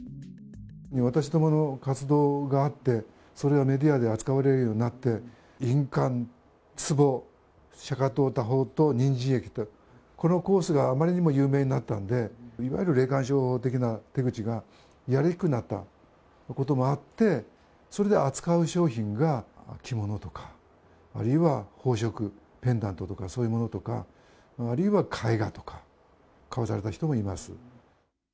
私どもの活動があって、それがメディアで扱われるようになって、印鑑、つぼ、釈迦塔、たほうとう、人参液と、このコースがあまりにも有名になったんで、いわゆる霊感商法的な手口がやりにくくなったこともあって、それで扱う商品が着物とかあるいは宝飾、ペンダントとか、そういうものとか、あるいは絵画とか買わされた人もいます。